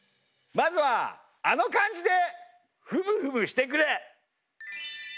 まずはあの漢字でふむふむしてくれ！